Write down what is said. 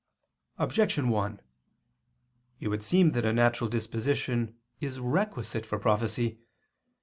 Objection 1: It would seem that a natural disposition is requisite for prophecy.